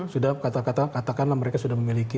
sudah katakanlah mereka sudah memiliki